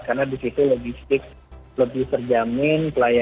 karena di situ logistik lebih terjamin pelayanan lebih optimal dan lain sebagainya